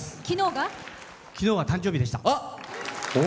昨日が誕生日でした。